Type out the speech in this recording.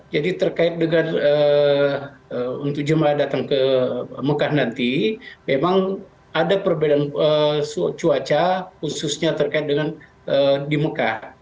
jadi terkait dengan untuk jemaah datang ke mekah nanti memang ada perbedaan cuaca khususnya terkait dengan di mekah